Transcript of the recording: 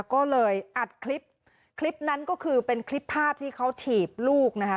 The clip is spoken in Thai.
ก็เลยอัดคลิปคลิปนั้นก็คือเป็นคลิปภาพที่เขาถีบลูกนะคะ